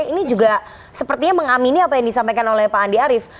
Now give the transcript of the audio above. ini juga sepertinya mengamini apa yang disampaikan oleh pak andi arief